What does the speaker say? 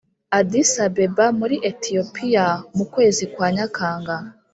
addis-abeba muri etiyopiya, mu kwezi kwa nyakanga